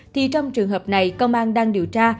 thì trong trường hợp này công an đang điều tra